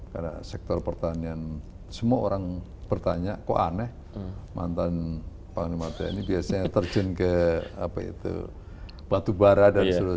karena sektor pertanian semua orang bertanya kok aneh mantan pak nematya ini biasanya terjun ke apa itu batubara dan seluruh